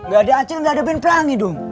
gak ada acil gak ada ben pelangi dong